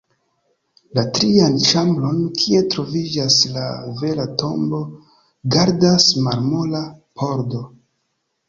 La trian ĉambron, kie troviĝas la vera tombo, gardas marmora pordo.